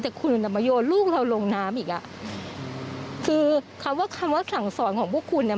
แต่คุณอ่ะมาโยนลูกเราลงน้ำอีกอ่ะคือคำว่าคำว่าสั่งสอนของพวกคุณเนี้ย